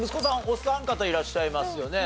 お三方いらっしゃいますよね。